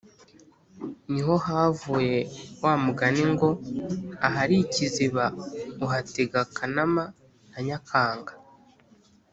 Ni ho havuye wa mugani ngo « Ahari ikiziba uhatega Kanama na Nyakanga »